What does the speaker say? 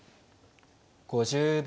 ５０秒。